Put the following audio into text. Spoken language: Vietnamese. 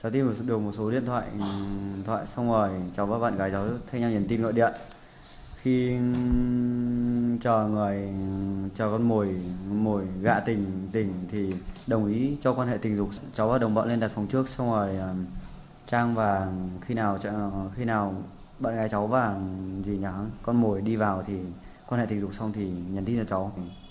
tình thì đồng ý cho quan hệ tình dục cháu và đồng bọn lên đặt phòng trước xong rồi trang và khi nào bạn gái cháu và gì nhá con mồi đi vào thì quan hệ tình dục xong thì nhận tin cho cháu